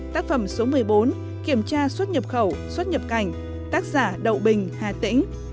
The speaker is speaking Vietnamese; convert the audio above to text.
tác phẩm số một mươi bốn kiểm tra xuất nhập khẩu xuất nhập cảnh tác giả đậu bình hà tĩnh